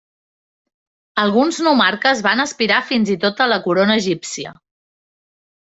Alguns nomarques van aspirar fins i tot a la corona egípcia.